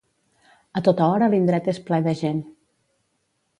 A tota hora, l'indret és ple de gent.